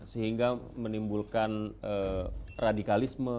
sehingga menimbulkan radikalisme